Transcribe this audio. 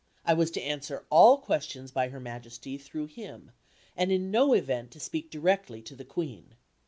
I was to answer all questions by Her Majesty through him, and in no event to speak directly to the Queen.